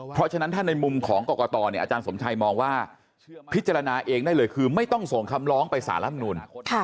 เพราะว่าในมุมของกรกตรเนี่ยอาจารย์สมชัยมองว่าพิจารณาเองได้เลยคือไม่ต้องส่งคำล้องไปสหรับนุน